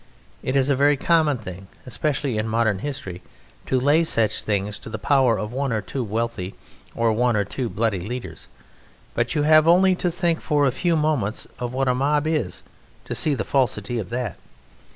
It is a very common thing, especially in modern history, to lay such things to the power of one or two wealthy or one or two bloody leaders, but you have only to think for a few moments of what a mob is to see the falsity of that.